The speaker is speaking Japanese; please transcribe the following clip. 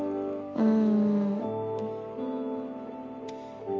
うん。